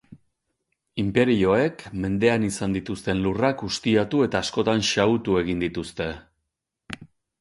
Inperioek, mendean izan dituzten lurrak ustiatu eta askotan xahutu egin dituzte.